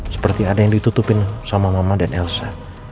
seperti ada yang ditutupin sama mama dan elsa